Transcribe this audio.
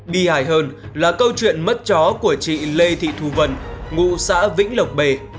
đi hài hơn là câu chuyện mất chó của chị lê thị thu vân ngụ xã vĩnh lộc bề